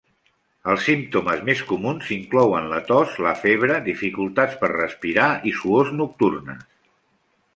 Els símptomes més comuns inclouen la tos, la febre, dificultats per respirar i suors nocturnes.